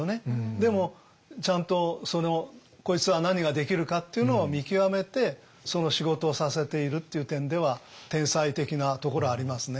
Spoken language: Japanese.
でもちゃんとこいつは何ができるかっていうのを見極めてその仕事をさせているっていう点では天才的なところはありますね。